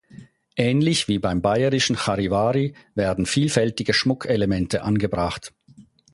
Ähnlich wie beim bayerischen Charivari werden vielfältige Schmuckelemente angebracht.